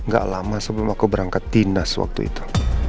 gak lama sebelum aku berangkat tindas waktu itu